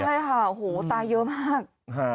ใช่ค่ะหัวตาเยอะมาก